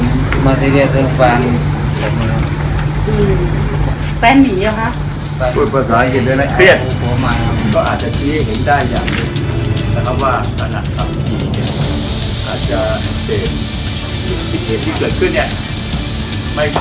ก็อาจจะคือเห็นได้อย่างหนึ่งนะครับว่าตอนนี้อาจจะเป็นสิ่งเหตุที่เกิดขึ้นเนี่ย